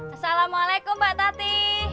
assalamualaikum mbak tati